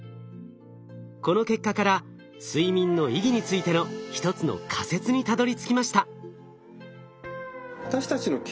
この結果から睡眠の意義についての一つの仮説にたどりつきました。